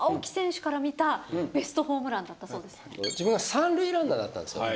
自分が３塁ランナーだったんすよ。